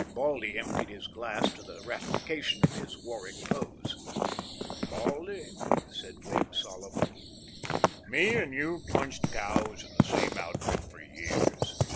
Baldy emptied his glass to the ratification of his Warwick pose. "Baldy," said Webb, solemnly, "me and you punched cows in the same outfit for years.